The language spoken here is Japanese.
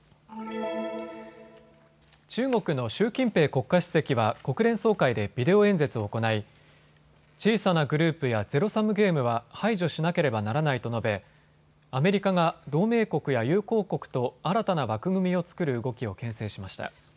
中国の習近平国家主席は国連総会でビデオ演説を行い、小さなグループやゼロサムゲームは排除しなければならないと述べアメリカが同盟国や友好国と新たな枠組みを作る動きをけん制しました。